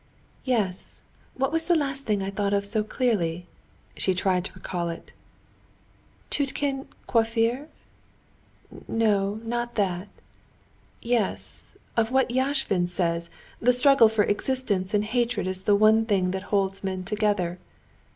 "Yes; what was the last thing I thought of so clearly?" she tried to recall it. "'Tiutkin, coiffeur?'—no, not that. Yes, of what Yashvin says, the struggle for existence and hatred is the one thing that holds men together.